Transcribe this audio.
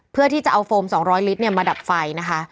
เพื่อที่จะเอาโฟม๒๐๐ลิตรมาดับไฟนะคะ